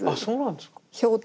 あそうなんですか。